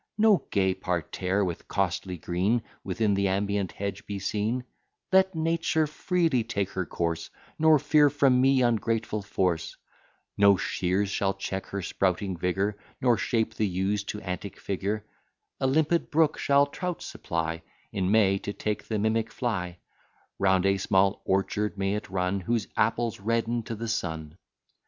No gay parterre, with costly green, Within the ambient hedge be seen: Let Nature freely take her course, Nor fear from me ungrateful force; No shears shall check her sprouting vigour, Nor shape the yews to antic figure: A limpid brook shall trout supply, In May, to take the mimic fly; Round a small orchard may it run, Whose apples redden to the sun.